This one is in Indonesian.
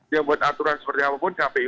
yang buat aturan seperti apapun kpu